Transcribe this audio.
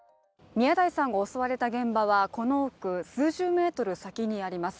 宮台さんが襲われた現場は、この奥数十メートル先にあります。